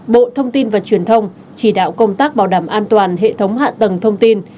bộ thông tin và truyền thông chỉ đạo công tác bảo đảm an toàn hệ thống hạ tầng thông tin